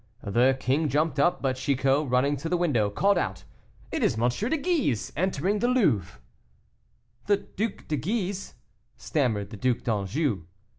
The king jumped up, but Chicot, running to the window, called out, "It is M. de Guise entering the Louvre." "The Duc de Guise," stammered the Duc d'Anjou.